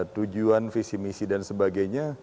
tujuan visi misi dan sebagainya